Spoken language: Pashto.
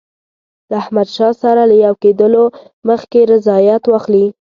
له احمدشاه سره له یو کېدلو مخکي رضایت واخلي.